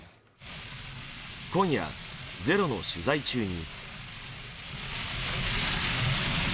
今夜、「ｚｅｒｏ」の取材中に。